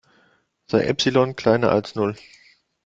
Sei Epsilon kleiner als Null.